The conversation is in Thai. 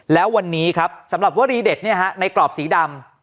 แล้ววันนี้ครับสำหรับวรีเด็ดในกรอบสีดำ